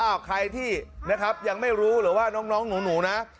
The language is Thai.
ใครที่นะครับยังไม่รู้หรือว่าน้องหนูนะ